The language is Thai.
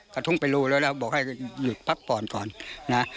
กระทุ่งไปรูแล้วแล้วบอกให้หยุดพักผ่อนก่อนนะ